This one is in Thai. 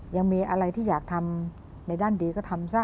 ยังมีอะไรที่อยากทำในด้านดีก็ทำซะ